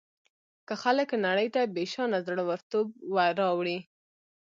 که خلک نړۍ ته بېشانه زړه ورتوب راوړي.